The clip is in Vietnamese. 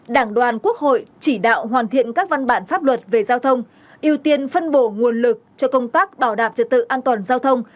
đảng đoàn quốc hội chỉ đạo hoàn thiện các văn bản pháp luật về giao thông ưu tiên phân bổ nguồn lực cho công tác bảo đảm trật tự an toàn giao thông